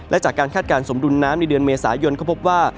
และจากการคาดการณสมดุลน้ำในเดือนเมษายนเขาพบว่า